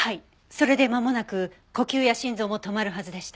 それでまもなく呼吸や心臓も止まるはずでした。